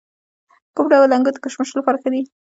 کوم ډول انګور د کشمشو لپاره ښه دي؟